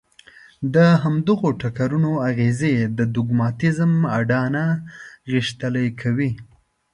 د همدغو ټکرونو اغېزې د دوګماتېزم اډانه غښتلې کوي.